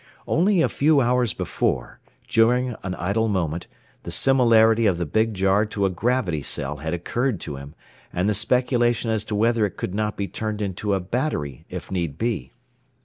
Only a few hours before, during an idle moment, the similarity of the big jar to a gravity cell had occurred to him, and the speculation as to whether it could not be turned into a battery if need be.